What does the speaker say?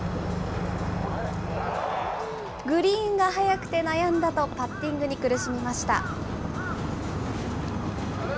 グリーンが速くて悩んだとパッティングに苦しみました。